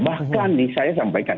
bahkan saya sampaikan